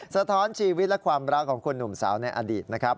สะท้อนชีวิตและความรักของคนหนุ่มสาวในอดีตนะครับ